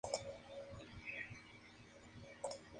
Yeon Gae So Moon dispone a Jang como el nuevo rey Bo Jang.